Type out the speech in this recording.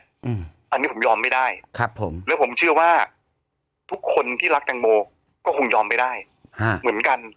อันนี้ผมยอมไม่ได้ครับผมและผมเชื่อว่าทุกคนที่รักแตงโมก็คงยอมไม่ได้ฮะเหมือนกัน